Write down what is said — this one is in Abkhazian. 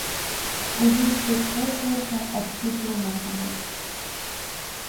Уажәы, дзықәгәыӷуа ҳәа аӡәгьы длымаӡамызт.